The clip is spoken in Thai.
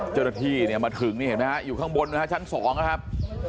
เจ้าหน้าที่เนี่ยมาถึงนี่เห็นไหมฮะอยู่ข้างบนนะฮะชั้น๒นะครับ